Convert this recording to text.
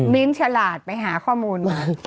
มิ้นฉลาดไปหาข้อมูลมา